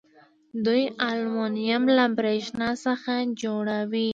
دوی المونیم له بریښنا څخه جوړوي.